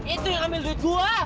itu yang ambil duit gue